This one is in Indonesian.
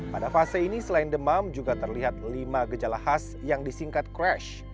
pada fase ini selain demam juga terlihat lima gejala khas yang disingkat crash